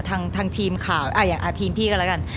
ทางทีมข่าวอย่างทีมพี่ก็แล้วกัน